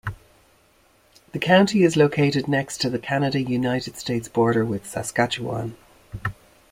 The county is located next to the Canada-United States border with Saskatchewan.